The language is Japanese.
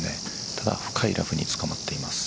ただ、深いラフにつかまっています。